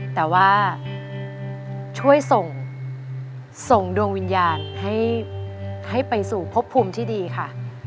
แต่ว่าช่วยส่งดวงวิญญาณให้ไปสู่พบภูมิที่ดีค่ะ